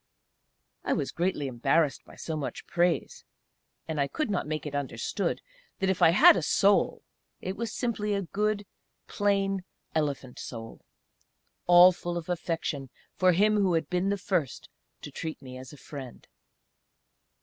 I was greatly embarrassed by so much praise: and I could not make it understood that if I had a "Soul," it was simply a good, plain, elephant soul all full of affection for him who had been the first to treat me as a friend.